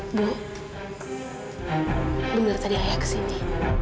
ibu bener tadi ayah kesini